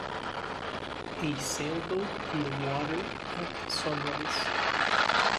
A sailboat in the water at sunrise.